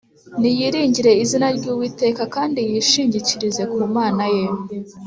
Niyiringire izina ry’Uwiteka, kandi yishingikirize ku Mana ye